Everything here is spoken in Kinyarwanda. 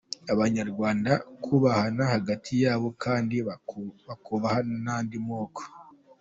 Abanyarwanda kwubahana hagati yabo kandi bakubaha n’andi moko.